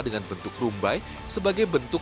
dengan bentuk rumbai sebagai bentuk